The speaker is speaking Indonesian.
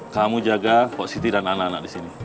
kamu jaga posisiti dan anak anak di sini